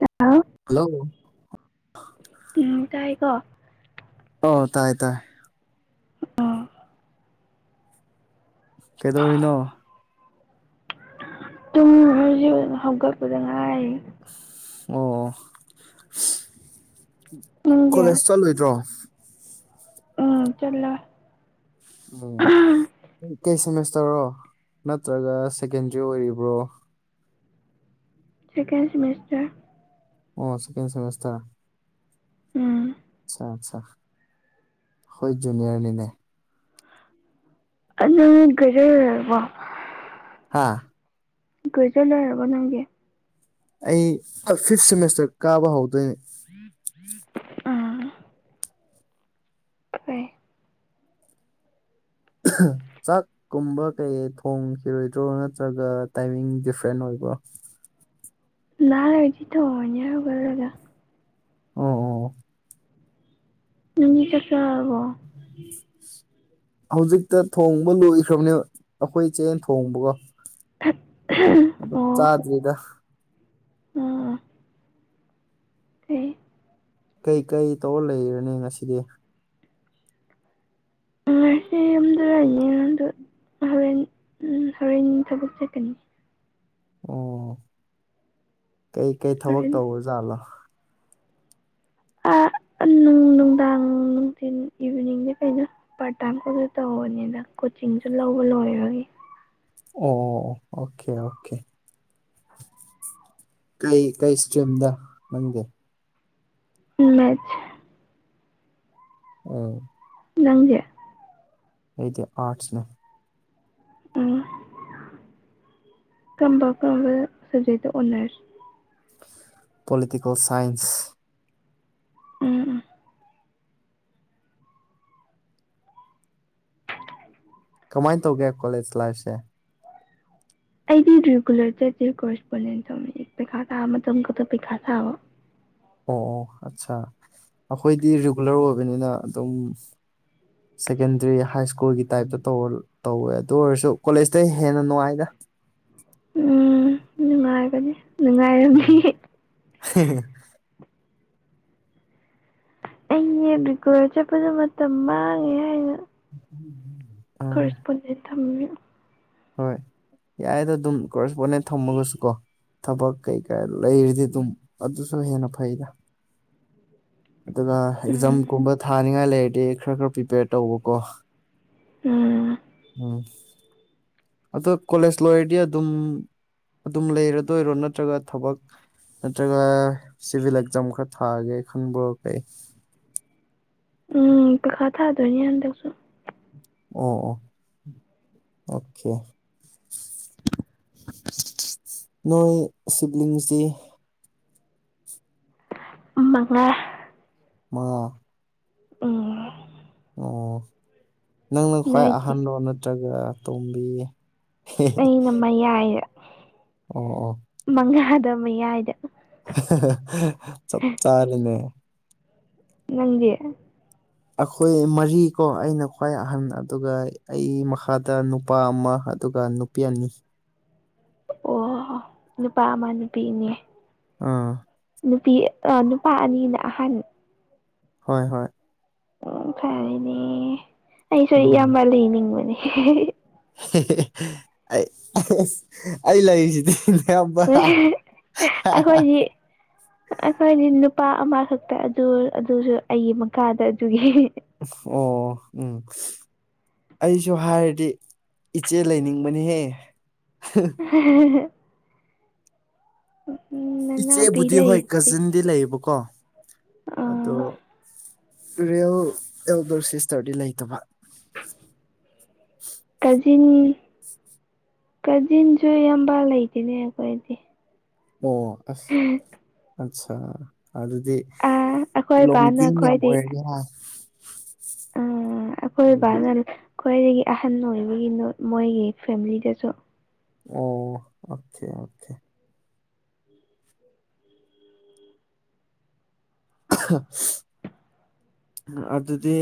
Hello hello ꯂꯣ ꯇꯥꯏꯀꯣ ꯑꯣ ꯇꯥꯏ ꯇꯥꯏ ꯑꯣ ꯀꯩꯗꯧꯔꯤꯅꯣ ꯇꯨꯡꯃꯤꯅꯦ ꯍꯧꯖꯤꯛ ꯍꯧꯒꯠꯄꯗ ꯉꯥꯏꯔꯤ ꯑꯣ ꯅꯪꯗꯤ ꯀꯣꯂꯦꯖ ꯆꯠꯂꯣꯏꯗ꯭ꯔꯣ ꯎꯝ ꯆꯠꯂꯣꯢ ꯎꯝ ꯀꯩ ꯁꯦꯃꯤꯁꯇꯔꯔꯣ ꯅꯠꯇ꯭ꯔꯒ ꯁꯦꯀꯦꯟꯗ꯭ꯔꯤ ꯑꯣꯏꯔꯤꯕ꯭ꯔꯣ ꯁꯀꯦꯟ ꯁꯦꯃꯤꯁꯇꯔ ꯑꯣ ꯁꯦꯀꯦꯟ ꯁꯦꯃꯦꯁꯇꯔ ꯎꯝ ꯑꯆꯥ ꯑꯠꯆꯥ ꯈꯣꯢ ꯖꯨꯅꯤꯌꯔꯅꯤꯅꯦ ꯑꯗꯨ ꯒ꯭ꯔꯦꯖꯨꯋꯦꯠ ꯂꯣꯢꯔꯕꯣ ꯍꯥꯥ ꯒ꯭ꯔꯦꯖꯨꯑꯦꯠ ꯂꯩꯔꯕꯣ ꯅꯪꯒꯤ ꯑꯩ ꯐꯤꯐ ꯁꯦꯃꯦꯁꯇꯔ ꯀꯥꯕ ꯍꯧꯗꯣꯏꯅꯦ [inaudible] ꯍꯣꯢ ꯆꯥꯛ ꯀꯨꯝꯕ ꯀꯩ ꯊꯣꯡꯈꯤꯔꯣꯏꯗ꯭ꯔꯣ ꯅꯠꯇ꯭ꯔꯒ ꯇꯥꯏꯃꯤꯡ ꯗꯤꯐ꯭ꯔꯦꯟ ꯑꯣꯏꯕ꯭ꯔꯣ ꯂ ꯂꯩꯗꯤ ꯇꯧꯔꯅꯤ ꯍꯧꯒꯠꯂꯒ ꯑꯣ ꯑꯣ ꯑꯣ ꯅꯪꯗꯤ ꯆꯥꯛ ꯆꯥꯔꯕꯣ [inaudible] ꯍꯧꯖꯤꯛꯇ ꯊꯣꯡꯕ ꯂꯣꯏꯈ꯭ꯔꯕꯅꯦꯕ ꯑꯈꯣꯏ ꯏꯆꯦ ꯊꯣꯡꯕꯒꯣ ꯑꯣ ꯗꯔꯤꯗ ꯑꯣ ꯑꯣ ꯀꯩ ꯀꯩ ꯀꯩ ꯇꯧꯔ ꯂꯩꯔꯅꯤ ꯉꯁꯤꯗꯤ ꯉꯁꯤ ꯌꯨꯝꯗ ꯂꯩꯅꯣ ꯑꯗꯣ ꯍꯣꯔꯦꯟ ꯍꯣꯔꯦꯟ ꯊꯕꯛ ꯆ ꯀꯅꯤ ꯑꯣ ꯀꯩ ꯀꯩ ꯊꯕꯛ ꯍꯣꯔꯦꯟ ꯇꯧꯔꯖꯥꯠꯂꯣ ꯑ ꯅꯨꯡ ꯅꯨꯡꯗꯥꯡ ꯅꯨꯡꯊꯤꯟ ꯏꯚꯤꯅꯤꯡꯗ ꯀꯩꯩꯅꯣ ꯄꯥꯔꯠ ꯇꯥꯏꯝ ꯈꯛꯇ ꯇꯧꯕꯅꯤꯅ ꯀꯣꯆꯤꯡꯁꯨ ꯂꯧꯕ ꯂꯣꯏꯕꯒꯤ ꯑꯣ ꯑꯣꯀꯦ ꯑꯣꯀꯦ ꯀꯩ ꯀꯩ ꯏꯁꯇ꯭ꯔꯤꯝꯗ ꯅꯪꯗꯤ ꯃꯦꯊꯁ ꯎꯝ ꯅꯪꯗꯤ ꯑꯩꯗꯤ ꯑꯥꯔꯠꯁꯅꯦ ꯎꯝ ꯀꯝꯕ ꯀꯝꯕ subject honours political science um um ꯀꯃꯥꯏꯅ ꯇꯧꯒꯦ ꯀꯣꯂꯦꯖ ꯂꯥꯏꯐꯁꯦ ꯑꯩꯗꯤ ꯔꯤꯒꯨꯂꯔ ꯆꯠꯇꯦ ꯀꯣꯔꯔꯦꯁꯄꯣꯟꯗꯦꯟ ꯇꯧꯅꯤ ꯄꯩꯈꯥ ꯊꯥꯕ ꯃꯇꯝ ꯈꯛꯇ ꯄꯩꯈꯥ ꯊꯥꯕ ꯑꯣ ꯑꯣ ꯑꯠꯆꯥꯥ ꯑꯩꯈꯣꯏꯗꯤ ꯔꯤꯒꯨꯂꯔ ꯑꯣꯏꯕꯅꯤꯅ ꯑꯗꯨꯝ ꯁꯦꯀꯦꯟꯗꯔꯤ ꯍꯥꯏ ꯁ꯭ꯀꯨꯜꯒꯤ ꯇꯥꯏꯞꯇ ꯇꯧꯕꯔ ꯇꯧꯋꯦ ꯑꯗꯨ ꯑꯣꯏꯔꯁꯨ ꯀꯣꯂꯦꯖꯇꯩ ꯍꯦꯟꯅ ꯅꯨꯡꯉꯥꯏꯗ ꯎꯝ ꯅꯨꯡꯉꯥꯏꯕꯅꯤ ꯅꯨꯡꯉꯥꯏꯔꯝꯅꯤ [unintelligible] ꯑꯩꯅꯦ ꯕꯤꯀꯂ ꯆꯠꯄꯗꯣ ꯃꯇꯝ ꯃꯥꯡꯉꯦ ꯍꯥꯏꯅ [unintelligible] ꯀꯔꯦꯁꯄꯣꯟꯗꯦꯠ ꯊꯝꯕꯤꯌꯨ ꯍꯣꯏ ꯌꯥꯏꯗꯣ ꯑꯗꯨꯝ ꯀꯣꯔꯦꯁꯄꯣꯟꯗꯦꯟ ꯊꯝꯃꯒꯁꯨ ꯀꯣ ꯊꯕꯛ ꯀꯩꯀꯥ ꯂꯩꯔꯤꯗꯤ ꯑꯗꯨꯝ ꯑꯗꯨꯁꯨ ꯍꯦꯟꯅ ꯐꯩꯗ ꯑꯗꯨꯒ ꯎꯝ ꯑꯦꯛꯖꯥꯝꯒꯨꯝꯕ ꯊꯥꯅꯤꯡꯉꯥꯏ ꯂꯩꯔꯗꯤ ꯈꯔ ꯈꯔ ꯄ꯭ꯔꯤꯄꯦꯌꯔ ꯇꯧꯕꯀꯣ ꯎꯝ ꯑꯣ ꯑꯗꯣ ꯀꯣꯂꯦꯖ ꯂꯣꯏꯔꯗꯤ ꯑꯗꯨꯝ ꯑꯗꯨꯝ ꯂꯩꯔꯗꯣꯏꯔꯣ ꯅꯠꯇ꯭ꯔꯒ ꯊꯕꯛ ꯅꯠꯇ꯭ꯔꯒ ꯁꯤꯚꯤꯜ ꯑꯦꯛꯖꯥꯝ ꯈꯔ ꯊꯥꯒꯦ ꯈꯟꯕ꯭ꯔꯣ ꯀꯩ ꯎꯝ ꯄꯈꯥ ꯊꯥꯗꯣꯏꯅꯤ ꯍꯟꯗꯛꯁꯨ ꯑꯣ ꯑꯣ ꯑꯣꯀꯦ ꯅꯣꯏ ꯁꯤꯕ꯭ꯂꯤꯡꯁꯇꯤ ꯃꯉꯥ ꯃꯉꯥ ꯎꯝ ꯑꯣ ꯅꯪꯅ ꯈ꯭ꯋꯥꯏ ꯅꯣꯏꯗꯤ ꯑꯍꯟꯂꯣ ꯅꯠꯇ꯭ꯔꯒ ꯇꯣꯝꯕꯤ ꯑꯩꯅ ꯃꯌꯥꯏꯗ ꯑꯣ ꯑꯣ ꯃꯉꯥꯗ ꯃꯌꯥꯏꯗ ꯆꯞ ꯆꯥꯔꯦꯅꯦ ꯅꯪꯗꯤ ꯑꯩꯈꯣꯏ ꯃꯔꯤ ꯀꯣ ꯑꯩꯅ ꯈ꯭ꯋꯥꯏ ꯑꯍꯟ ꯑꯗꯨꯒ ꯑꯩ ꯃꯈꯥꯗ ꯅꯨꯄꯥ ꯑꯃ ꯑꯗꯨꯒ ꯄꯤꯑꯅꯤ ꯑꯣ ꯅꯨꯄꯥ ꯑꯃ ꯅꯨꯄꯤ ꯑꯅꯤ ꯑꯥ ꯅꯨꯄꯤ ꯅꯨꯄꯥ ꯑꯅꯤꯅ ꯑꯍꯟ ꯍꯣꯏ ꯍꯣꯏ ꯎꯝ ꯐꯔꯦꯅꯦ ꯑꯩꯁꯨ ꯎꯝ ꯏꯌꯥꯝꯕ ꯂꯩꯅꯤꯡꯕꯅꯦ ꯑꯩ-ꯑꯩ ꯂꯩꯔꯤꯁꯤꯗꯤ ꯏꯌꯥꯝꯕ ꯑꯩꯈꯣꯏꯗꯤ ꯑꯩꯈꯣꯏꯗꯤ ꯅꯨꯄꯥ ꯑꯃꯈꯛꯇ ꯑꯗꯨ ꯑꯗꯨꯁꯨ ꯑꯩꯒꯤ ꯃꯈꯥꯗ ꯑꯗꯨꯒꯤ ꯑꯣ ꯎꯝ ꯑꯩꯁꯨ ꯍꯥꯏꯔꯗꯤ ꯏꯆꯦ ꯂꯩꯅꯤꯡꯕꯅꯤꯍꯦ [unintelligible] ꯅꯅꯥꯎꯄꯤ ꯏꯆꯦꯕꯨꯗꯤ ꯍꯣꯏ ꯂꯩꯗꯤ ꯀꯖꯤꯟꯗꯤ ꯂꯩꯌꯦꯕꯀꯣ ꯑ ꯑꯗꯣ ꯔꯤꯌꯦꯜ ꯑꯦꯜꯗꯔ ꯁꯤꯁꯇꯔꯗꯤ ꯂꯩꯇꯕ ꯀꯖꯤꯤꯟ ꯀꯖꯤꯟꯁꯨ ꯏꯌꯥꯝꯕ ꯂꯩꯇꯅꯦ ꯑꯩꯈꯣꯏꯗꯤ ꯑꯣ ꯑꯁ ꯑꯆꯥꯥ ꯑꯗꯨꯗꯤ ꯑꯥ ꯑꯩꯈꯣꯏ ꯕꯥꯅ ꯂꯣꯡꯗꯤꯡ ꯌꯥꯝ ꯈ꯭ꯋꯥꯏꯗꯒꯤ ꯑꯣꯏꯔꯅꯤ ꯍꯥ ꯑꯥ ꯑꯩꯈꯣꯏ ꯎꯝ ꯕꯥꯅ ꯈ꯭ꯋꯥꯏꯗꯒꯤ ꯑꯍꯟ ꯑꯣꯏꯕꯒꯤ ꯃꯣꯏꯒꯤ ꯐꯦꯃꯤꯂꯤꯗꯁꯨ ꯑꯣ ꯑꯣꯀꯦ ꯑꯣꯀꯦ ꯑꯗꯨꯗꯤ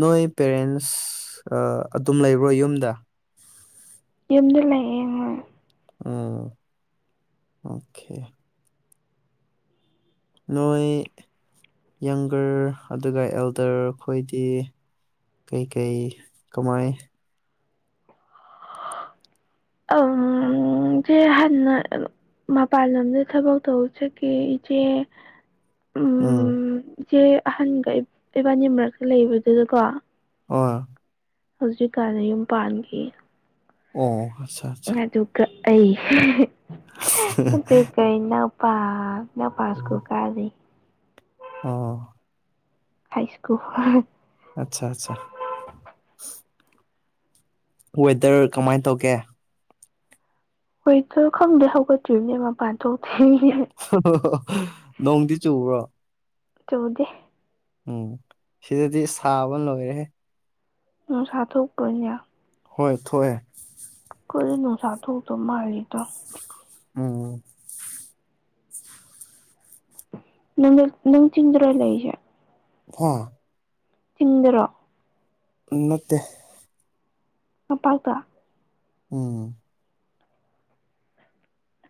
ꯅꯣꯏ ꯄꯦꯔꯦꯟꯁ ꯑꯗꯨꯝ ꯂꯩꯕ꯭ꯔꯣ ꯌꯨꯝꯗ ꯌꯨꯝꯗ ꯂꯩꯥꯛꯑꯦ ꯍꯣꯏ ꯎ ꯑꯣꯀꯦ ꯅꯣꯏ ꯌꯪꯒꯔ ꯑꯗꯨꯒ ꯑꯦꯜꯗꯔ ꯈꯈꯣꯏꯗꯤ ꯀꯩꯀꯩ ꯀꯃꯥꯏ ꯑꯝ ꯍꯅ ꯃꯄꯥꯟ ꯂꯝꯗ ꯊꯕꯛ ꯇꯧꯕꯥ ꯆꯠꯈꯤ ꯏꯆꯦ ꯎꯝ ꯎꯝ ꯏꯆꯦ ꯑꯍꯟꯒ ꯏꯕꯥꯅꯤ ꯃꯔꯛꯇ ꯂꯩꯕꯗꯨꯗꯀꯣ ꯑꯣ ꯍꯧꯖꯤꯛꯀꯥꯟꯗ ꯌꯨꯝ ꯄꯥꯟꯈꯤ ꯑꯣ ꯑꯠꯆꯥ ꯑꯠꯆꯥ ꯑꯗꯨꯒ ꯑꯩ ꯑꯗꯨꯒ ꯅꯨꯄꯥ ꯏꯅꯥꯎꯄꯥ ꯁ꯭ꯀꯨꯜ ꯀꯥꯗ꯭ꯔꯤ꯫ ꯑꯣ ꯍꯥꯏ ꯁ꯭ꯀꯨꯜ ꯑꯠꯆꯥ ꯑꯠꯆꯥ ꯋꯦꯗꯔ ꯀꯃꯥꯏꯅ ꯇꯧꯒꯦ ꯍꯣꯏꯁꯨ ꯈꯪꯗꯦ ꯍꯧꯒꯠꯇ꯭ꯔꯤꯕꯅꯦ ꯃꯄꯥꯟ ꯊꯣꯛꯇ꯭ꯔꯤꯅꯦ ꯅꯣꯡꯗꯤ ꯆꯨꯕ꯭ꯔꯣ ꯆꯗꯤꯦ ꯎꯝ ꯁꯤꯗꯗꯤ ꯁꯥꯕ ꯂꯣꯏꯔꯦ ꯍꯦ ꯅꯣꯡꯁꯥ ꯊꯣꯛꯄꯔꯣꯅꯦ꯫ ꯍꯣꯏ ꯊꯣꯛꯑꯦ ꯑꯩꯈꯣꯏꯗꯤ ꯅꯣꯡꯁꯥ ꯊꯣꯛꯇ ꯃꯜꯂꯤꯗ ꯎꯝ ꯅꯪ ꯅꯪ ꯆꯤꯟꯗꯨ꯭ꯔꯣ ꯂꯩꯁꯦ ꯍꯥ ꯆꯤꯟꯗꯔꯣ ꯅꯠꯇꯦ ꯃꯄꯥꯥꯏꯇ ꯑꯣꯝ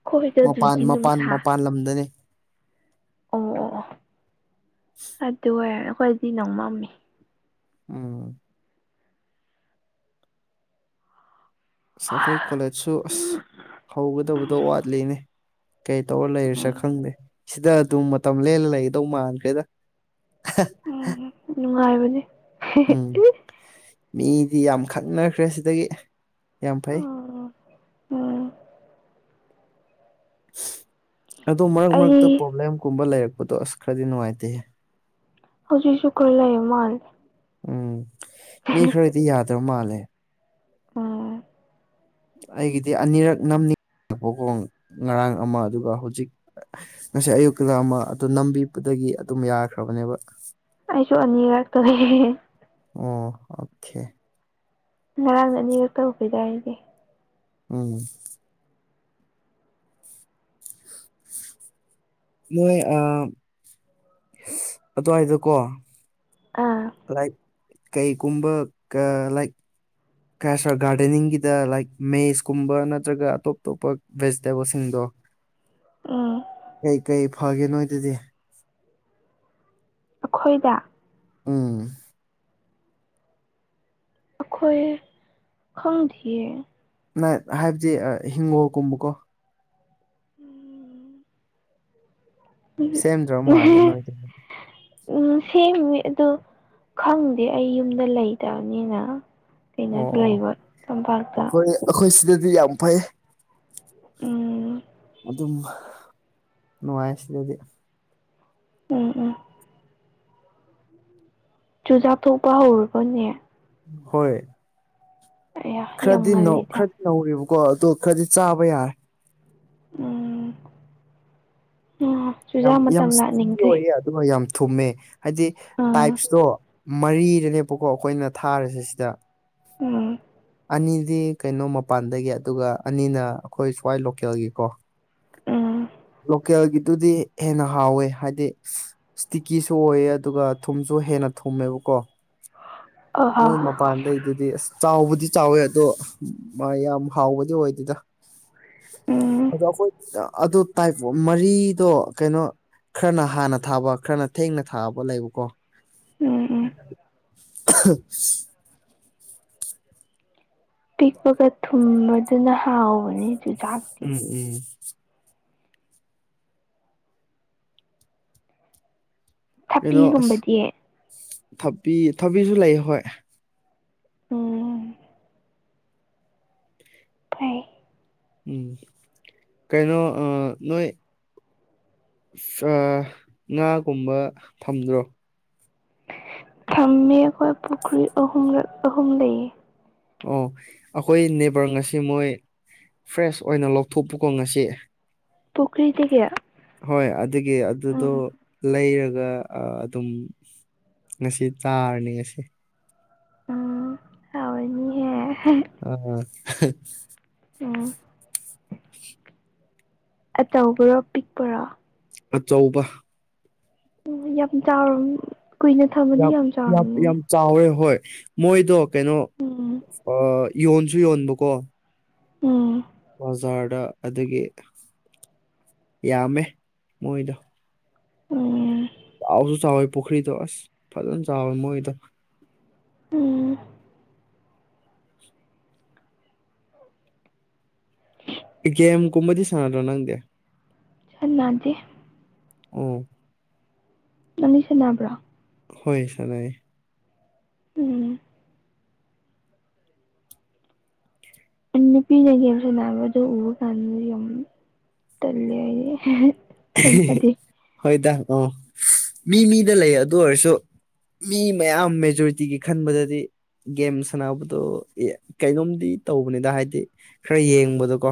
ꯈꯣꯏ ꯍꯣꯏꯗ ꯑꯗꯨꯗꯤ ꯅꯨꯡꯁꯥ ꯄꯥꯟꯜꯂꯝꯗꯅꯤ ꯑꯣ ꯑꯣ ꯑꯣ ꯑꯗꯨ ꯑꯣꯏꯔꯦ ꯅ ꯑꯩꯈꯣꯏꯗꯤ ꯅꯪ ꯃꯝꯃꯤ ꯑꯣ ꯑꯁ ꯑꯩꯈꯣꯏ ꯀꯣꯂꯦꯖꯁꯨ ꯑꯁ ꯍꯧꯒꯗꯕꯗꯣ ꯋꯥꯠꯂꯤꯅꯦ ꯀꯩ ꯇꯧꯔ ꯂꯩꯔꯤꯁꯦ ꯈꯪꯗꯦ ꯁꯤꯗ ꯑꯗꯨꯝ ꯃꯇꯝ ꯂꯦꯜꯂ ꯂꯩꯒꯗꯧ ꯃꯥꯟꯈ꯭ꯔꯦꯗ ꯎꯝ ꯅꯨꯡꯉꯥꯏꯕꯅꯤ ꯎꯝ ꯃꯤꯗꯤ ꯌꯥꯝ ꯈꯪꯅꯈ꯭ꯔꯦ ꯁꯤꯗꯒꯤ ꯌꯥꯝ ꯐꯩ ꯎꯝ ꯎꯝ ꯑꯗꯣ ꯃꯔꯛ ꯃꯔꯛꯇ ꯑꯩ ꯄ꯭ꯔꯣꯕ꯭ꯂꯦꯝꯒꯨꯝꯕ ꯂꯩꯔꯛꯄꯗꯣ ꯑꯁ ꯈꯔꯗꯤ ꯅꯨꯡꯉꯥꯏꯇꯦ ꯍꯧꯖꯤꯛꯁꯨ ꯈꯔ ꯂꯩ ꯃꯥꯜꯂꯦ [unintelligible] ꯎꯝ ꯃꯤ ꯈꯔꯗꯤ ꯌꯥꯗꯕ ꯃꯥꯜꯂꯦ ꯑꯥ ꯑꯩꯒꯤꯗꯤ ꯑꯅꯤꯔꯛ ꯅꯝꯅꯤ ꯉꯥꯏꯈꯣꯀꯣ ꯉꯔꯥꯡ ꯑꯃ ꯑꯗꯨꯒ ꯍꯧꯖꯤꯛ ꯉꯁꯤ ꯑꯌꯨꯛꯇꯀ ꯑꯃ ꯑꯗꯨ ꯅꯝꯕꯤꯕꯗꯒꯤ ꯑꯗꯨꯝ ꯌꯥꯈ꯭ꯔꯕꯅꯦꯕ ꯑꯩꯁꯨ ꯑꯅꯤꯔꯛꯇ ꯂꯩ ꯑꯣ ꯑꯣꯀꯦ ꯉꯔꯥꯡꯅ ꯑꯅꯤꯔꯛꯇꯪ ꯄꯤꯗ ꯎꯝ ꯅꯣꯏ ꯑꯗꯨꯋꯥꯏꯗ ꯀꯣ ꯑꯥ ꯂꯥꯏꯛ ꯀꯩꯒꯨꯝꯕ ꯀ ꯂꯥꯏꯛ ꯀ ꯒꯥꯔꯗꯦꯅꯤꯡꯒꯤꯗ ꯂꯥꯏꯛ ꯃꯦꯁꯀꯨꯝꯕ ꯅꯠꯇ꯭ꯔꯒ ꯑꯇꯣꯞ ꯑꯇꯣꯞꯄ ꯚꯦꯖꯤꯇꯦꯕꯜꯁꯤꯡꯗꯣ ꯑ ꯀꯩꯀꯩ ꯐꯒꯦ ꯅꯣꯏꯗꯗꯤ ꯈꯣꯏꯗ ꯎꯝ ꯑꯩꯈꯣꯏ ꯈꯪꯗꯤꯌꯦ ꯅ ꯍꯥꯏꯕꯗꯤ ꯍꯤꯡꯒꯣꯜꯒꯨꯝꯕꯀꯣ ꯎꯝ ꯁꯦꯝꯗ꯭ꯔ ꯃꯥꯜꯂꯦ ꯅꯣꯏꯗ ꯎꯝ ꯁꯦꯝꯃꯤ ꯑꯗꯨ ꯈꯪꯗꯦ ꯑꯩ ꯌꯨꯝꯗ ꯂꯩꯇꯕꯅꯤꯅ ꯑꯣ ꯀꯩꯅꯣꯗ ꯑꯣ ꯂꯩꯕ ꯇꯝꯄꯥꯛꯇ ꯑꯩꯈꯣꯏ ꯑꯩꯈꯣꯏ ꯁꯤꯗꯗꯤ ꯌꯥꯝ ꯐꯩ ꯎꯝ ꯑꯗꯨꯝ ꯅꯨꯡꯉꯥꯏ ꯁꯤꯗꯗꯤ ꯎꯝ ꯎꯝ ꯆꯨꯖꯥꯛ ꯊꯣꯛꯄ ꯍꯧꯔꯕꯅꯦ ꯍꯣꯏ ꯑꯌꯥ ꯌꯥꯝ ꯈꯔꯗꯤ ꯉꯜꯂꯤꯗ ꯈꯔꯗꯤ ꯅꯧꯋꯦꯕꯀꯣ ꯑꯗꯣ ꯈꯔꯗꯤ ꯆꯥꯕ ꯌꯥꯔꯦ ꯎꯝ ꯆꯨꯖꯥꯛ ꯃꯇꯝ ꯂꯥꯛꯍꯟꯅꯤꯡꯈꯔ꯭ꯦ ꯑꯗꯨ ꯌꯥꯝ ꯊꯨꯝꯃꯦ ꯍꯥꯏꯗꯤ ꯑꯥ ꯇꯥꯏꯞꯁꯇꯣ ꯃꯔꯤꯗꯅꯦꯕꯥꯀꯣ ꯑꯩꯈꯣꯏꯅ ꯊꯥꯔꯤꯁꯦ ꯁꯤꯗ ꯎꯝ ꯑꯅꯤꯗꯤ ꯀꯩꯅꯣ ꯃꯄꯥꯟꯗꯒꯤ ꯑꯗꯨꯒ ꯑꯅꯤꯅ ꯑꯩꯈꯣꯏ ꯁ꯭ꯋꯥꯏ ꯂꯣꯀꯦꯜꯒꯤꯀꯣ ꯎꯝ ꯂꯣꯀꯦꯜꯒꯤꯗꯨꯗꯤ ꯍꯦꯟꯅ ꯍꯥꯎꯋꯦ ꯍꯥꯏꯗꯤ ꯏꯁꯇꯤꯛꯀꯤꯁꯨ ꯑꯣꯏꯌꯦ ꯑꯗꯨꯒ ꯊꯨꯝꯁꯨ ꯍꯦꯟꯅ ꯊꯨꯝꯃꯦꯕꯀꯣ ꯑꯍꯥ ꯃꯣꯏ ꯃꯄꯥꯟꯗꯩꯗꯨꯗꯤ ꯑꯁ ꯆꯥꯎꯕꯗꯤ ꯆꯥꯎꯋꯦ ꯑꯗꯣ ꯃꯥ ꯌꯥꯝ ꯍꯥꯎꯕꯗꯤ ꯑꯣꯏꯗꯦꯗ ꯎꯝ ꯑꯗꯨ ꯑꯩꯈꯣꯏ ꯗ ꯑꯗꯨ ꯇꯥꯏꯞ ꯃꯔꯤꯗꯣ ꯀꯩꯅꯣ ꯈꯔꯅ ꯍꯥꯟꯅ ꯊꯥꯕ ꯈꯔꯅ ꯊꯦꯡꯅ ꯊꯥꯕ ꯂꯩꯕꯀꯣ [inaudible] ꯎꯝ ꯎꯝ ꯄꯤꯛꯄꯒ ꯊꯨꯝꯕꯗꯨꯅ ꯍꯥꯎꯕꯅꯤ ꯑꯗꯨ ꯎꯝ ꯎꯝ ꯀꯩꯅꯣ ꯑꯁ ꯊꯕꯤꯒꯨꯝꯕꯗꯤ ꯊꯕꯤ ꯊꯕꯤꯁꯨ ꯂꯩꯌꯦ ꯍꯣꯏ ꯑꯣ ꯐꯩ ꯎꯝ ꯀꯩꯅꯣ ꯑꯥ ꯅꯣꯏ ꯉꯥꯒꯨꯝꯕ ꯐꯝꯗ꯭ꯔꯣ ꯊꯝꯃꯤ ꯑꯩꯈꯣꯏ ꯄꯨꯈ꯭ꯔꯤ ꯑꯍꯨꯝꯂꯛ ꯑꯍꯨꯝ ꯂꯩꯌꯦ ꯑꯣ ꯑꯩꯈꯣꯏ ꯅꯦꯕꯔ ꯉꯁꯤ ꯃꯣꯏ ꯐ꯭ꯔꯦꯁ ꯑꯣꯏꯅ ꯂꯧꯊꯣꯛꯄꯀꯣ ꯉꯁꯤ ꯄꯨꯛꯈ꯭ꯔꯤꯗꯒꯤ ꯍꯣꯏ ꯑꯗꯨꯒꯤ ꯑꯗꯨꯗꯣ ꯂꯩꯔꯒ ꯑꯥ ꯑꯗꯨꯝ ꯉꯁꯤ ꯇꯥꯔꯅꯤ ꯉꯁꯤ ꯎꯝ ꯍꯥꯎꯅꯤꯍꯦ ꯑ ꯎꯝ ꯑꯆꯧꯕꯔꯣ ꯄꯤꯛꯄꯔꯣ ꯑꯆꯧꯕ ꯎ ꯌꯥꯝ ꯆꯥꯎ ꯀꯨꯏꯅ ꯊꯃꯗꯤ ꯌꯥꯝ ꯆꯥꯎꯔꯝꯅꯦ ꯆꯥꯎꯋꯦ ꯍꯣꯏ ꯃꯣꯏꯗꯣ ꯀꯩꯅꯣ ꯎꯝ ꯌꯣꯟꯁꯨ ꯌꯣꯟꯕꯀꯣ ꯎꯝ ꯕꯖꯥꯔꯗ ꯑꯗꯨꯒꯤ ꯌꯥꯝꯃꯦ ꯃꯣꯏꯗꯣ ꯑꯝ ꯍꯥꯎꯁꯨ ꯆꯥꯎꯋꯦ ꯄꯨꯈ꯭ꯔꯤꯗꯣ ꯑꯁ ꯐꯖꯅ ꯆꯥꯎꯋꯦ ꯃꯣꯏꯗ ꯎꯝ ꯒꯦꯝꯒꯨꯝꯕꯗꯤ ꯁꯥꯟꯅꯗꯔꯣ ꯅꯪꯗꯤ ꯍꯟꯅꯗꯤ ꯎꯝ ꯅꯪꯗꯤ ꯁꯥꯟꯅꯕ꯭ꯔꯣ ꯍꯣꯏ ꯁꯅꯥꯏ ꯎꯝ ꯅꯨꯄꯤꯅꯒꯦꯝꯁꯦ ꯅꯥꯕ ꯑꯗꯨ ꯎꯕ ꯀꯥꯟꯗ ꯌꯥꯝ ꯇꯂ ꯍꯣꯏꯗ ꯑ ꯃꯤ ꯃꯤꯗ ꯂꯩ ꯑꯗꯨ ꯑꯣꯏꯔꯁꯨ ꯃꯤ ꯃꯌꯥꯝ ꯃꯦꯖꯣꯔꯤꯇꯤꯒꯤ ꯈꯟꯕꯗꯗꯤ ꯒꯦꯝ ꯁꯥꯟꯅꯕꯗꯣ ꯀꯩꯒꯣꯝꯗꯤ ꯇꯧꯕꯅꯤꯗ ꯍꯥꯏꯗꯤ ꯈꯔ ꯌꯦꯡꯕꯗꯣꯀꯣ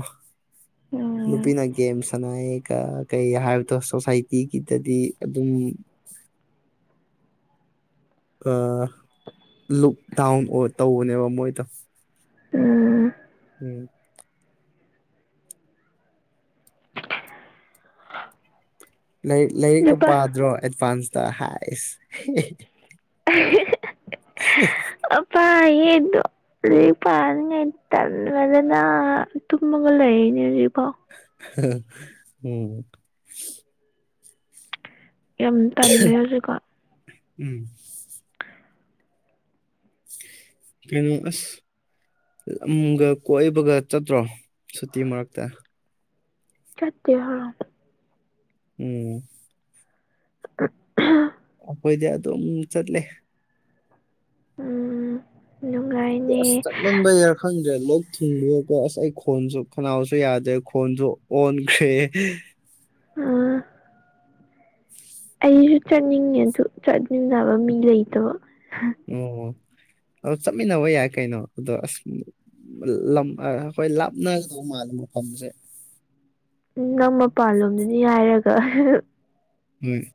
ꯎꯝ ꯅꯨꯄꯤꯅ ꯒꯦꯝ ꯁꯅꯌꯦꯀ ꯀꯩ ꯍꯥꯏꯕꯗꯣ ꯁꯣꯁꯥꯏꯇꯤꯒꯤꯗꯗꯤ ꯑꯗꯨꯝ ꯂꯛ ꯗꯥꯎꯟ ꯑꯣ ꯇꯧꯕꯅꯦꯕ ꯃꯣꯏꯗ ꯎꯝ ꯎꯝ ꯂꯥꯏꯔꯤꯛ-ꯂꯥꯏꯔꯤꯛꯀ ꯅꯨꯄꯥ ꯄꯥꯗ꯭ꯔꯣ ꯑꯦꯗꯚꯥꯟꯁꯇ ꯍꯥꯏꯁ inaudible ꯑꯄꯥ ꯍꯌꯦ ꯑꯗꯨ [unintelligible] ꯔꯤ ꯄꯥ ꯇꯟꯗꯅ ꯇꯨꯃꯒꯥ ꯂꯩꯔꯤꯅꯦ ꯍꯧꯖꯤꯀꯣꯐꯥꯎ ꯎꯝ ꯌꯥꯝ ꯇꯜꯂꯦ ꯍꯧꯖꯤꯛ ꯀꯥꯟ ꯎꯝ ꯀꯩꯅꯣ ꯑꯁ ꯂꯝꯒ ꯀꯣꯏꯕꯒ ꯆꯠꯇ꯭ꯔꯣ ꯁꯨꯇꯤ ꯃꯔꯛꯇ ꯆꯠꯇ ꯍ ꯎꯝ ꯑ ꯑꯩꯈꯣꯏꯗꯤ ꯑꯗꯨꯝ ꯆꯠꯂꯦ ꯎ ꯅꯨꯡꯉꯥꯏꯅꯤ ꯈꯪꯕꯩꯔꯥ ꯈꯪꯗ꯭ꯔꯦ ꯂꯣꯛ ꯊꯨꯡꯕꯒꯀꯣ ꯑꯁ ꯑꯩ ꯈꯣꯟꯁꯨ ꯈꯅꯥꯎꯁꯨ ꯌꯥꯗ꯭ꯔꯦ ꯈꯣꯟꯁꯨ ꯑꯣꯟꯈꯦ ꯎꯥ ꯑꯩꯁꯨ ꯆꯠꯅꯤꯡꯉꯦ ꯑꯗꯨ ꯆꯠꯃꯤꯟꯅꯕ ꯃꯤ ꯂꯩꯇꯕ ꯑꯣ ꯑꯣ ꯆꯠꯃꯤꯟꯅꯕ ꯌꯥꯏ ꯀꯩꯅꯣ ꯑꯗꯣ ꯑꯁ ꯂꯝ ꯑꯩꯈꯣꯏ ꯂꯥꯞꯅꯒꯗꯧ ꯃꯥꯜꯂꯦ ꯃꯐꯝꯁꯦ ꯎ ꯅꯪ ꯃꯄꯥꯟ ꯂꯣꯝꯗꯅꯤ ꯍꯥꯏꯔꯒ [unintelligible] ꯂꯩꯣꯏ